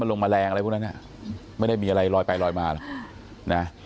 ลงแมลงอะไรพวกนั้นไม่ได้มีอะไรลอยไปลอยมาหรอกนะ